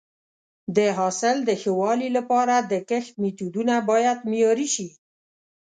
د حاصل د ښه والي لپاره د کښت میتودونه باید معیاري شي.